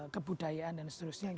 kebudayaan dan seterusnya